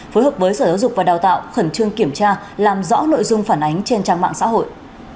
phối hợp với sở giáo dục và đào tạo khẩn trương kiểm tra làm rõ nội dung phản ánh trên trang mạng xã hội